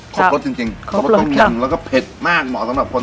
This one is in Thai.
เผ็ดแบบใต้หรืออีซานครับอ๋อต่างกันอย่างนี้เองไม่ว่าเป็นสวัสดิต้มยำที่แบบรสชาติจัดจัดจริง